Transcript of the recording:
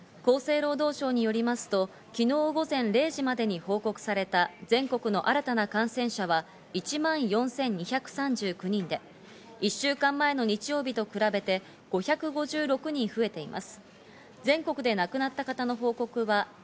厚生労働省によりますと、昨日午後０時までに報告された全国の新たな感染者は１万４２３９人で、１週間前の日曜日と比べて５５６人増えています。